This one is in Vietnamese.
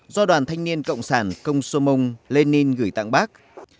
do đoàn thanh niên cộng sản công sô mông lê ninh gửi tặng bác